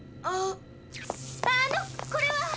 あのこれは。